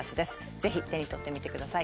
ぜひ手に取ってみてください